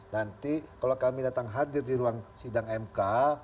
nanti kalau kami datang hadir di ruang sidang mk